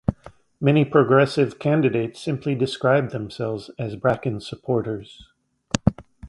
Many Progressive candidates simply described themselves as Bracken supporters.